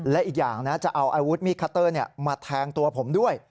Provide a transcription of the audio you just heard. และอีกอย่างนะจะเอาอาวุธมีดคัตเตอร์มาแทงตัวผมด้วย